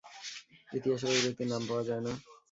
ইতিহাসে ঐ ব্যক্তির নাম পাওয়া যায় না।